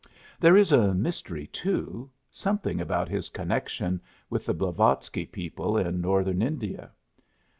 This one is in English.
There is a mystery, too something about his connection with the Blavatsky people in Northern India.